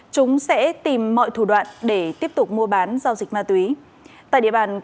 chúng sẽ tìm mọi thủ đoạn để tiếp tục mua